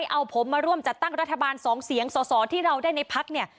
เอาผมมาร่วมจัดตั้งรัฐบาล๒เสียงสอสอที่เราได้ในพักเนี่ย